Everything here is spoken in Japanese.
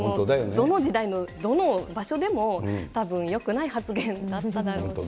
どの時代のどの場所でも、たぶんよくない発言だっただろうし。